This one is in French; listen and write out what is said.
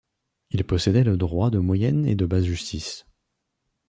Il possédait le droit de moyenne et de basse justice.